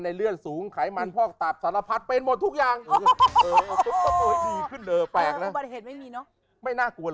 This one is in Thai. ในเลือดสูงไขมันพ่อตับสารพัดเพียงหมดทุกอย่างแปลกนะไม่น่า